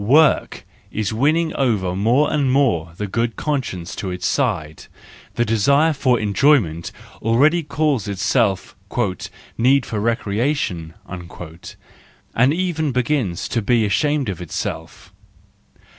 Work is winning over more and more the good conscience to its side: the desire for enjoyment already calls itself " need of recreation," and even begins to be ashamed of itself.